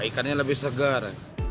ya ikannya lebih segar